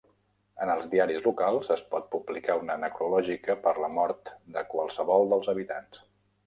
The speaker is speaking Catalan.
En els diaris locals, es pot publicar una necrològica per la mort de qualsevol dels habitants.